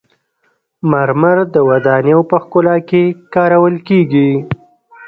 مرمر د ودانیو په ښکلا کې کارول کیږي.